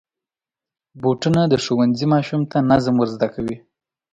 بوټونه د ښوونځي ماشوم ته نظم ور زده کوي.